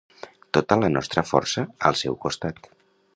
Tota la nostra força al seu costat.